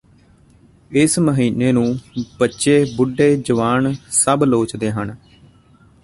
ਇਸ ਮਹੀਨੇ ਨੂੰ ਬੱਚੇ ਬੁੱਢੇ ਜਵਾਨ ਸਭ ਲੋਚਦੇ ਹਨ